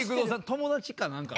友達か何か？